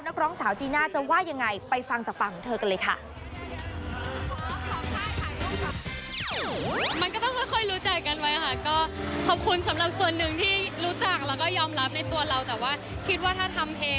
นักร้องสาวจีน่าจะว่ายังไงไปฟังจากปากของเธอกันเลยค่ะ